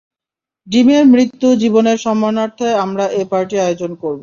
জিমের মৃত্যু জীবনের সম্মানার্থে আমরা এ পার্টি আয়োজন করব।